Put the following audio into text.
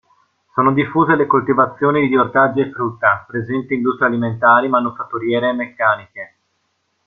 Sono diffuse le coltivazioni di ortaggi e frutta; presenti industrie alimentari, manifatturiere e meccaniche.